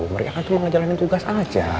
mereka kan tuh mau ngejalanin tugas aja